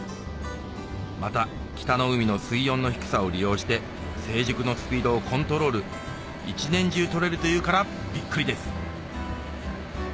また北の海の水温の低さを利用して成熟のスピードをコントロール一年中取れるというからびっくりです